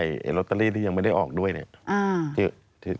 ลอตเตอรี่ที่ยังไม่ได้ออกด้วยเนี่ย